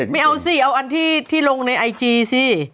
ไม่เอาสิเอาอันที่ลงในไอจีสิ